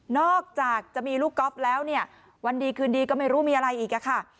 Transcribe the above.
อกจากจะมีลูกก๊อฟแล้วเนี่ยวันดีคืนดีก็ไม่รู้มีอะไรอีกค่ะ